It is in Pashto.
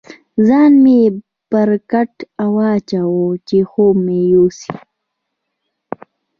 ځان مې پر کټ واچاوه، چې خوب مې یوسي.